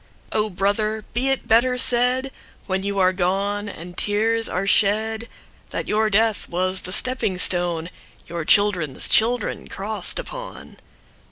O Brother! be it better said, When you are gone and tears are shed, That your death was the stepping stoneYour children's children cross'd upon.